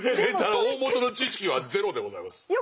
だから大本の知識はゼロでございます。